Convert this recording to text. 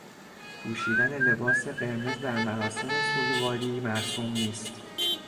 پوشیدن لباس قرمز در مراسم سوگواری مرسوم نیست